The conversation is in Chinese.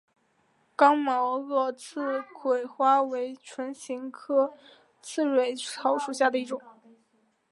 刚毛萼刺蕊草为唇形科刺蕊草属下的一个种。